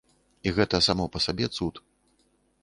І гэта само па сабе цуд.